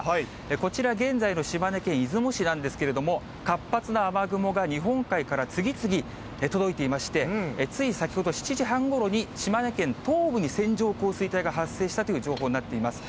こちら、現在の島根県出雲市なんですけれども、活発な雨雲が日本海から次々、届いていまして、つい先ほど７時半ごろに、島根県東部に線状降水帯が発生したという情報になっています。